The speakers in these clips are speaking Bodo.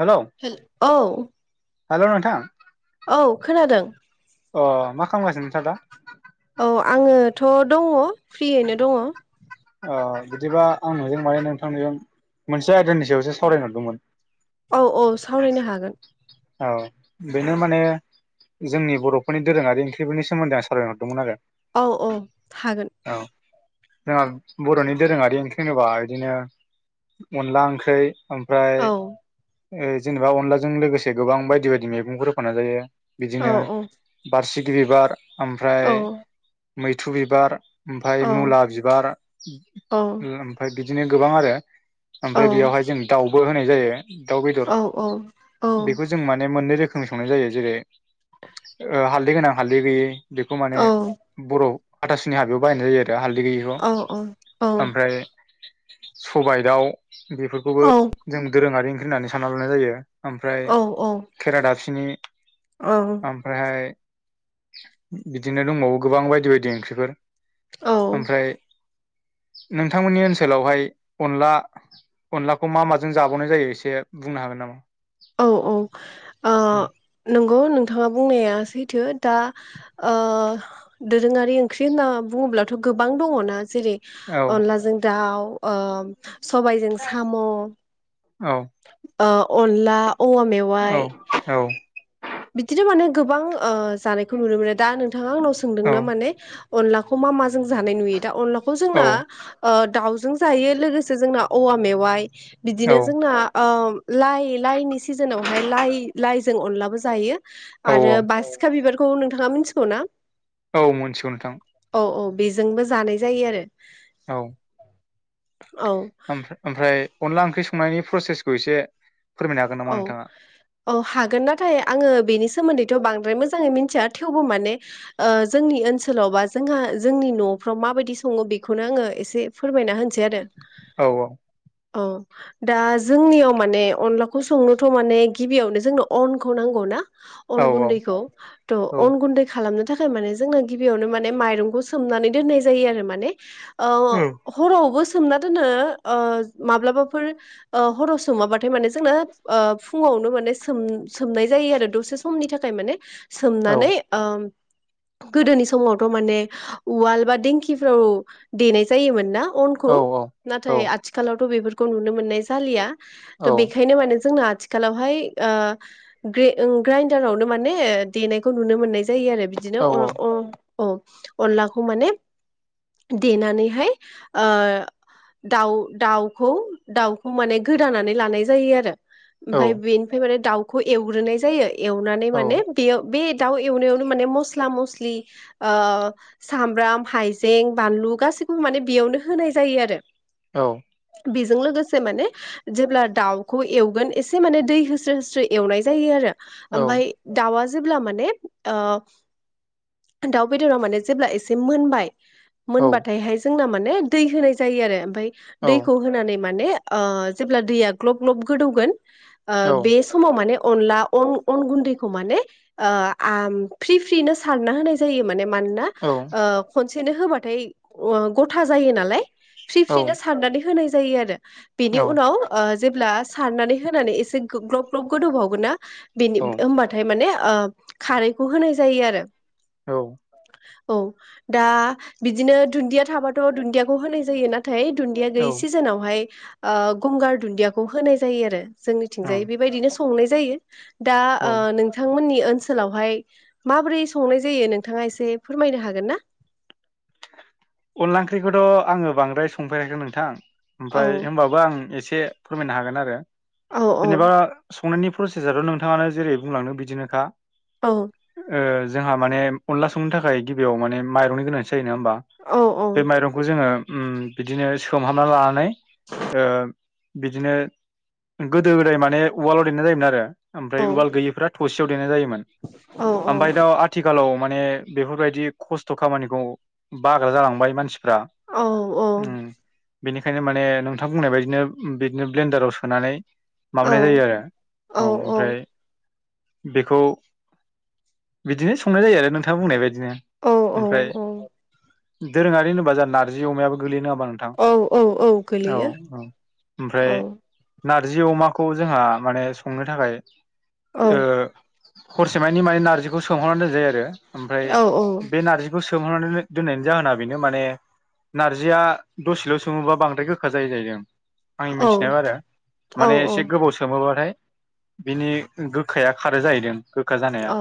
हेलौ हेल औ हेलौ नोंथां औ खोनादों। अ मा खालामगासिनो नोंथाङा दा? औ आङोथ' दङ फ्रियैनो दङ। ओ बिदिबा आं नोंजों माने नोंथांजों मोनसे आयदानि सायावसो सावरायहरदोंमोन। औ औ सावरायनो हागोन। औ बेनो माने जोंनि बर'फोरनि दोरोङारि ओंख्रिफोरनि सोमोन्दै आं सावरायनो हरदोंमोन आरो। औ औ हागोन। औ जोंहा बर'नि दोरोङारि ओंख्रि होनोबा बिदिनो अनला ओंख्रै ओमफ्राय औ जेनेबा अनलाजों लोगोसे गोबां बायदि बायदि मैगंफोर होफानाय जायो। औ बिदिनो औ बारसिगि बिबार औ ओमफ्राय मैथ्रु बिबार ओमफाय औ मुला बिबार औ ओमफ्राय बिदिनो गोबां आरो। औ ओमफ्राय बेयावहाय जों दाउबो होनाय जायो दाउ बेदर औ बेखौ जों माने मोननै रोखोम सों संनाय जायो। जेरै ओ हालदै गोनां हालदै गैयै बेखौ माने बर' हाथासुनि हाबायाव बायनाय जायो आरो हालदै गैयैखौ औ औ ओमफ्राय सबाय, दाउ बेफोरखौबो जों दोरोङारि ओंख्रि होननानै सानना लानाय जायो ओमफ्राय खेरा दाफिनि ओमफ्रायहाय बिदिनो दंबावो गोबां बायदि बायदि ओंख्रिफोर ओमफ्राय नोंथांमोननि ओनसोलावहाय अनला अनलाखौ मा माजों जाबावनाय जायो एसे बुंनो हागोन नामा? औ औ ओ नों नंगौ नोंथाङा बुंनाया सैथो दा ओ दोरोङारि ओंख्रि होनना बुङो ब्लाथ' गोबां दङना जेरै औ अनलाजों दाउ ओ सबायजों साम' औ ओ अनला औवा मेवाइ औ औ बिदिनो माने गोबां जानायखौ नुनो मोनो। दा नोंथाङा आंनाव सोंदों औ ना माने अलाखौ मा मा जों जानाय नुयो दा अनलाखौ जोंना दाउजों जायो। लोगोसे जोंना औवा मेवाइ औ बिदिनो औ जोंना ओ लाइ लाइनि सिजोनावहाय लाइ लाइजों अनलाबो जायो औ आरो बासिखा बिबार खौ नोंथाङा मिथिगौ ना? औ मोनथिगौ नोंथां। औ औ बेजोंबो जानाय जायो आरो औ औ ओमफ्राय अनला ओं ख्रि संनायनि प्रसेसखौ एसे फोरमायनो हागोन नामा औ नोंथाङा औ हागोन नाथाय आङो बेनि सोमोन्दैथ' बांद्राय मोजाङै मिथिया थेवबो माने जोंनि ओ ओनसोलाव बा जोंहा जोंनि न' फ्राव माबादि सङो बेखौनो आङो एसे फोरमायना हो होनोसै आरो औ औ दा जोंनियाव माने अन लाखौ संनोथ' माने गिबियावनो जोंनो अनखौ नांगौ ना औ अन गुन्दैखौ थ' औ अन गुन्दै खालामनो थाखाय माने जोंना गिबियावनो माने माइरंखौ सोमनानै दोननाय जायो आरो माने अ हरावबो सोमना दोनो ओ माब्लाबाफोर ओ हराव‌ सोमाबाथाय माने जोंनो ओ फुङावनो माने सो सोमनाय जायो आरो दसे समनि थाखाय माने औ सोमनानै ओ गोदोनि समावथ' माने उवाल बा दिंखिफ्राव देनाय जायोमोन ना औ अनखौ औ नाथाय आथिखालावथ' बेफोरखौ नुनो मोननाय जालिया त' बेखायनो माने जोंना आथिखालावहाय ओ ग्रे ग्राइडारावनो माने देनायखौ नुनो मोननाय जा जायो आरो बिदिनो औ औ अनलाखौ माने देनानैहाय ओ दाउ दाउखौ दाउखौ माने गोदानानै लानाय जायो आरो ओमफ्राय बेनिफ्राय माने दाउखौ एवग्रोनाय जायो एवनानै माने बेयाव बे दाउ एवनो एवनो माने मस्ला मस्लि सामब्राम हाइजें बानलु गासै गासैखौबो माने बेयावनो होनाय जायो आरो औ बेजों लोगोसे माने जेब्ला दाउखौ एवगोन एसे दै होस्रो होस्रो एवनाय जायो आरो दाउ जेब्ला माने दाउ बेदराव माने जेब्ला एसे मोनबाय औ मोनबाथाय हाय जोंना माने दै होनाय जायो आरो ओमफ्राय औ औ दैखौ होनानै माने जेब्ला दैया ग्लब ग्लब गोदौगोन बे समाव माने अनला अन गुन्दैखौ माने फ्रि फ्रिनो सारना होनाय जायो माने मानोना खनसेनो होबाथाय गथा जायो नालाय फ्रि फ्रिनो सारनानै होनाय जायो आरो बेनि उनाव जेब्ला सारनानै होनानै एसे ग्लब ग्लब गोदौबावगोन ना बेनि होनबाथाय माने खारैखौ होनाय जायो आरो औ औ दा बिदिनो दुन्दिया थाबाथ' दुन्दियाखौ होनाय जायो ना नाथाय दुन्दिया गैयि सिजोनावहाय गंगार दुन्दियाखौ होनाय जायो आरो जोंनिथिंजाय बेबायदिनो संनाय जायो दा औ नोंथांमोननि ओनसोलावहाय माबोरै संनाय जायो नोंथाङा एसे फोरमायनो हागोन ना [inaudible] अनला ओंख्रिखौथ' आङो बांद्राय संफेराखै नोंथां औ ओमफ्राय होमबाबो आं एसे फोरमायनो हागोन आरो औ औ जेनेबा संनायनि प्रसेसा थ' नोंथाङानो जेरै बुंलांनो बिदिनोखा औ जोंहा माने अनला संनो थाखाय गिबियाव माने माइरंनि गोनांथि जायो नङा होमबा औ बे माइरंखौ जोङो बिदिनो सोमहाबना लानानै बिदिनो। गोदो गोदाय माने उवालाव देनाय जायोमोन आरो ओमफ्राय उवाल गैयिफ थबसियाव देनाय जायोमोन औ औ ओमफ्राय दा आथिखालाव माने बेफोरबायदि खस्थ' खामानिखौ बाग्रा जालांबाय मानसि फ्रा औ औ बेनिखायनो माने नोंथां बुंनाय बायदिनो बिदिनो ब्लेन्डाराव सोनानै औ माबानाय जायो आरो औ ओमफ्राय बेखौ बिदिनो संनाय जायो आरो नोंथाङा बुंनाय बायदि बिदिनो औ ओमफ्राय दोरोङारि होनोबा जों नारजि अमायाबो गोलै नडा होनबा ओ नोंथां औ औ औ औ गोलैयो औ ओमफ्राय औ नारजि अमाखौ जोंहा माने संनो थाखाय औ हरसेमानि माने नारजिखौ सोमहरनानै दोनजायो आरो ओमफ्राय औ बे नारजिखौ सोमहरनानै दोननायनि जाहोना बेनो माने नार्जिया दसेल' सोङोबा बांद्राय गोखा जायो जाहै आंनि मिथिनायाव आरो औ माने एसे गोबाव सोमोबाथाय बिनि गोखाया खारै जाहैदों गोखा जानाया औ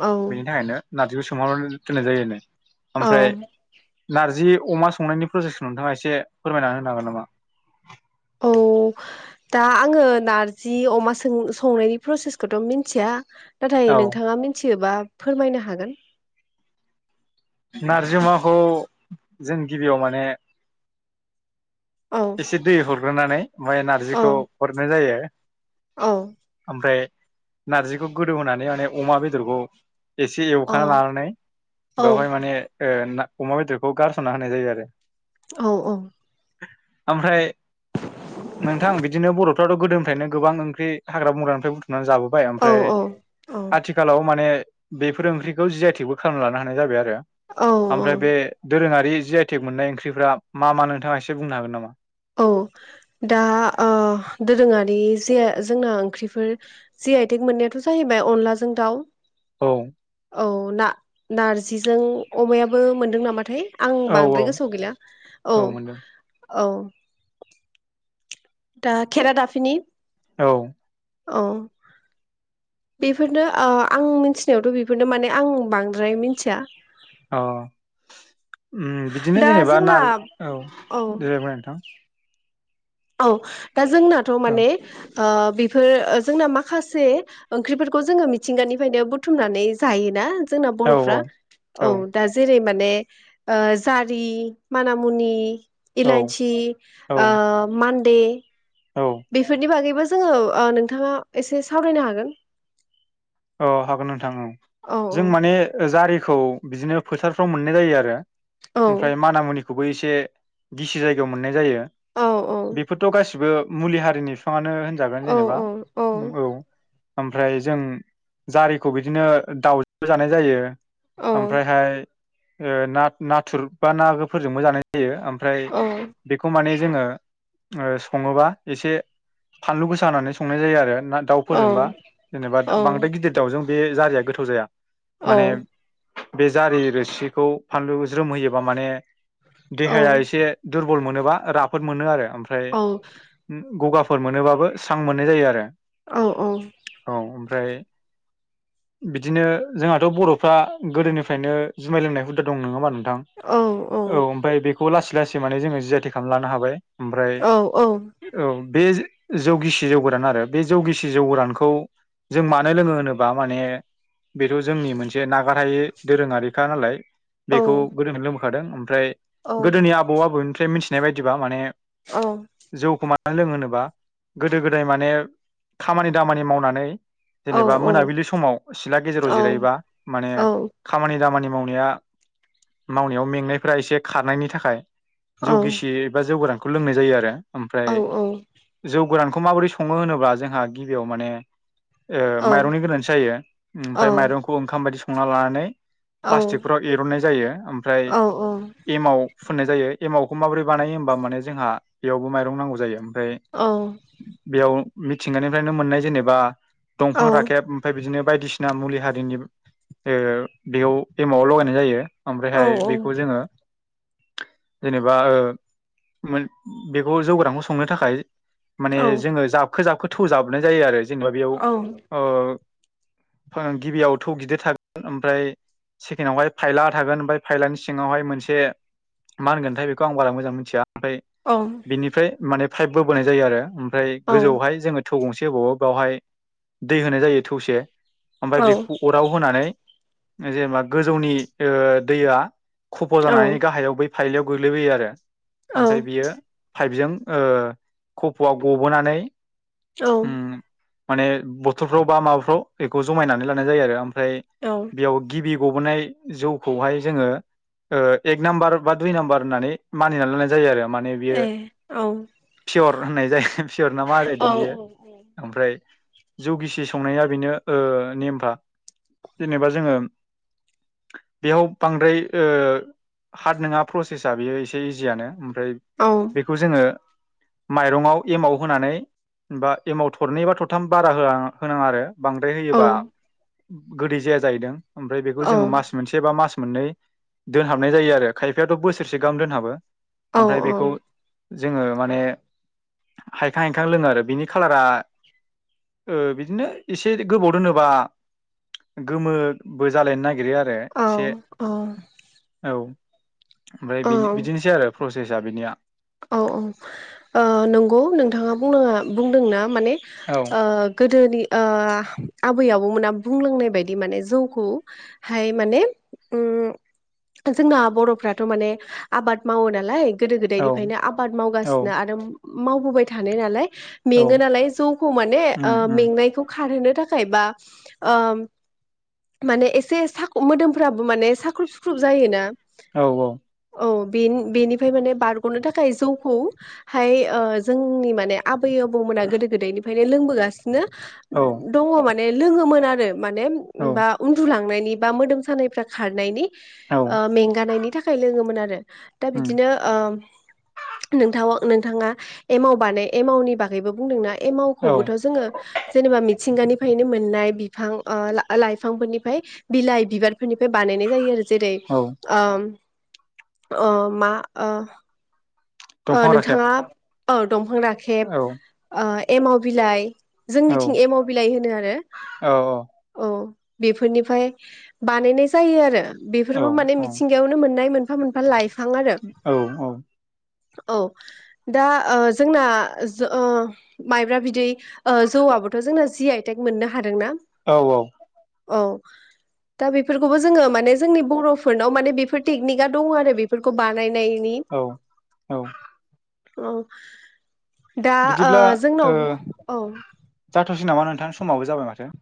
औ बिनि थाखायनो नार्जिखौ सोंहाबनानै दोननाय जायो औ ओमफ्राय नारजि अमा संनायनि प्रजेक्टखौ नोंथाङा एसे फोरमायनानै होनो हागोन नामा? औ दा आङो नारजि अमा संनायनि प्रसेसखौथ' मिथिया नाथाय औ नोंथाङा मिथियोबा फोरमायनो हागोन। नारजि अमाखौ जों गिबियाव माने औ एसे दै हरग्रोनानै ओमफ्राय औ नारजिखौ हरनाय जायो। औ ओमफ्राय नारजिखौ गोदौ होनानै माने अमा बेदरखौ एसे औ एवखाना लानानै औ बेवहाय माने न अमा बेदरखौ गारस'ना होनाय जायो आरो औ औ [inaudible] ओमफ्राय नोंथां बिदिनो बर'फ्राथ' गोदोनिफ्रायनो गोबां ओंख्रि हाग्रा बंग्रानिफ्राय बुथुमनानै जाबोबाय औ ओमफ्राय औ आथिखालाव माने बेफोर ओंख्रिखौ जि आइ थेकबो खालामना लानो हानाय जाबाय आरो। औ ओमफ्राय बे दोरोङारि जि आइ टेक मोननाय ओंख्रिफ्रा मा मा नोंथाङा एसे बुंनो हागोन नामा? औ दा दोरोङारि जे जोंना ओंख्रिफोर जे आइटेक मोननायाथ' जाहैबाय अनलाजों दाउ औ औ ना-नारजिजों अमायाबो मोनदों नामाथाय आं औ औ बांद्राय गोसोआव गैला औ औ दा खेला दाफिनि औ औ बेफोरनो आं मिथिनायावथ' बेफोरनो माने आं बांद्राय मिथिया अ उम बिदिनो दा जेनेबा जोंना नारज औ जिरायबाय नोंथां। औ दा जोंनाथ' औ माने बेफोर जोंना माखासे ओंख्रिफोरखौ जोङो मिथिंगानिफ्रायनो बुथुमनानै जायोना। जोंना औ बर'फ्रा औ दा जेरै माने जारि माना मुनि औ इलाइचि औ मान्दे औ बेफोरनि बागैबो जोङो नोंथाङा एसे सावरायनो हागोन। औ हागोन नोंथां औ औ जों माने जारि खौ बिदिनो फोथारफ्राव मोननाय जायो औ आरो। गिसि जायगायाव मोननाय जायो औ औ बेफोरथ' गासिबो मुलि हारिनि बिफाङानो होजागोन औ जेनेबा औ आमफ्राय जों जारिखौ बिदिनो दाउजों जानाय जायो ओमफ्रायहाय नाथुर बा नाफोरजोंबो जानाय जायो ओमफ्राय औ औ बेखौ माने जोङो सङोबा एसे फानलु गोसा होनानानै संनाय जायो आरो दाउफोरजोंबा औ जेनेबा औ बांद्राय गिदिर दाउजों बे जारिया गोथाव जाया। माने बे जारि रोसिखौ फानलु ज्रोमहोयोबा माने देहाया एसे दुरबल मोनोबा राफोद मोनो आरो ओमफ्राय गगा फोर मोनोबाबो स्रां मोननाय जायो आरो। औ औ औ [inaudible] बिदिनो जोंहाथ' बर'फ्रा गोदोनिफ्रायनो जुमाय लोंनाय हुदा दं नङा होमबा नों थां औ ओमफ्राय बेखौ लासै लासै माने जोङो जियथि खालाम लानो हाबाय औ ओमफ्राय औ बे जौगिसि जौगोरान आरो बे जौगिसि जौ गोरानखौ जों मानो लोङो होनोबा माने बेथ' जोंनि मोनसे नागारहायै दोरोङारिखा नालाय बेखौ गोदोखौ लोंबोखादों ओमफ्राय गोदोनि आबौ आबौनिफ्राय मिथिनाय बायदिबा माने जौखौ मानो लोंङो होनोबा गोदो गोदाय माने खामानि दामानि मावनानै जेनेबा मोनाबिलि समाव सिथला गेजेराव जिरायोबा माने खामानि दामानि मावनाया मावनायाव मेंनायफोरा एसे खारनायनि थाखाय जौगिसि एबा जौ गोरानखौ लोंनाय जायो आरो ओमफ्राय जौ गोरानखौ माबोरै सङो होनोब्ला जोंहा गिबियाव माने माइरंनि गोनांथि जायो ओमफ्राय माइरंखौ ओंखाम बायदि संना लानानै प्लास्टिकफोराव एरननाय जायो ओमफ्राय एमाव फुननाय जायो एमावखौ माबोरै बानायो होमबा माने जोंहा बेयावबो माइरं नांगौ जायो। ओमफ्राय बेयाव मिथिंगानिफ्रायनो मोननाय जेनेबा दंफां राखेब ओमफ्राय बिदिनो बायदिसिना मुलि हारिनि बेयाव एमावआव लगायनाय जायो। ओमफ्रायहाय बेखौ जोङो जेनेबा बेखौ जौ गोरानखौ संनो थाखाय माने जोङो जाबखो जाबखो थौ जाबनाय जायो आरो जेनेबा बेयाव गिबियाव थौ गिदिर थागोन ओमफ्राय सेकेणडआवहाय फायला थागोन ओमफ्राय फायलानि सिङावहाय मोनसे मा होनगोनथाय बेखौ आं बारा मोजां मिथिया ओमफ्राय बिनिफ्राय माने पाइप बबोनाय जायो आरो ओमफ्राय गोजौआवहाय जोङो थौ गंसे होबावो बेवहाय दै होनाय जायो थौसे ओमफ्राय बेखौ अराव होनानै जेनेबा गोजौनि दैआ खफ' जानानैनि गाहायाव बै फाइलियाव गोग्लैबोयो आरो ओमफ्राय बियो पाइपजों कफ'आव गबोनानै औ उम माने बथलफ्राव बा माबाफ्राव बेखौ जमायनानै लानाय जायो आरो ओमफ्राय बेयाव गिबि गबोननाय जौखौहाय जोङो एक नाम्बार बा दुइ नाम्बार होननानै मानिनानै लानाय जायो आरो माने बियो पियर होननाय जायै पियर ना मा जाहैदों बेयो ओमफ्राय जौ गिसि संनाया बेनो नेमफ्रा जेनेबा जोङो बेयाव बांद्राय हार्ड नङा प्रसेसा बेयो एसे इजियानो ओमफ्राय बेखौ जोङो माइरंआव एमाव होनानै बा एमाव थरनै बा थरथाम बारा होनाङा आरो बांद्राय होयोबा गोदै जाया जाहैदों ओमफ्राय बेखौ जोङो मास मोनसे बा मास मोननै दोनहाबनाय जायो आरो खायफायाथ' बोसोरसे गाहाम दोनहाबो ओमफ्राय बेखौ जोङो माने हायखां हायखां लोङो आरो बिनि खालारा बिदिनो एसे गोबाव दोनोबा गोमोबो जालायनो ना गिरो आरो एसे औ ओमफ्राय औ बिदिनोसै आरो प्रसेस बिनिया औ औ नंगौ नोंथाङा बुंनाङा बुंदोंना माने औ ओ गोदोनि ओ आबै आबौमोना बुंलांनाय बायदि माने जौखौहाय माने जोंना बर'फ्राथ' माने आबाद मावो नालाय गोदो औ गोदायनिफ्रायनो आबाद औ मावगासिनो आरो मावबोबाय थानाय नालाय औ मेङो नालाय जौखौ माने उम उम मेंनायखौ खारहोनो थाखाय बा माने एसे सा मोदोमफ्राबो माने साख्रुब सुख्रुब जायोना औ औ औ बेनिफ्राय माने बारग'नो थाखाय जौखौहाय जोंनि माने आ बैयो आबौमोना गोदो गोदायनिफ्रायनो लोंबोगासिनो औ दङ माने लोङोमोन आरो माने औ बा उन्दुलांनायनि बा मोदोम सानायफ्रा खारनायनि औ ओ मेंगानायनि थाखाय लोङोमोन आरो दा उम बिदिनो नोंथां नोंथाङा एमाव बानाय एम मावनि बागैबो बुंदोंना औ मावखौबोथ' जोङो जेनेबा मिथिंगानिफ्रायनो मोननाय बिफां लाइफांफोरनिफ्राय बिलाइ बिबारफोरनिफ्राय बानायनाय जायो आरो जेरै औ ओम ओ ओ मा ओ दंफां राखेब नोंथाङा औ दंफां दाखेब औ एमाव बिलाइ औ जोंनिथिं एमाव बिलाइ होनो आरो औ औ बेफोरनिफ्राय बानायनाय जायो आरो औ बेफोरबो माने मिथिंगायावनो मोननाय मोन मोनफा लाइफ। औ औ। औ दा ओ जोंना ओ माइब्रा बिदै ओ जौवा। थ जोंना जि आइटेक मोननो हादोंना औ औ औ। दा बेफोरखौबो जोङो माने जोंनि बर'फोरनाव माने बेफोर टेकनिकआ दङ आरो बेफोरखौ बानायनाय। नायनि। औ औ। औ ओ दा बिदिब्ला ओ जोंनाव औ। जाथ'सै नामा नोंथां समाबो जाबाय माथो।